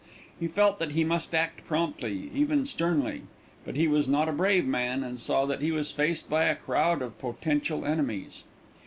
He felt that he must act promptly, even sternly; but he was not a brave man and saw that he was faced by a crowd of potential enemies.